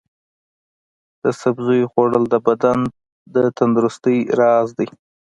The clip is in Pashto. د سبزیو خوړل د بدن د تندرستۍ راز دی.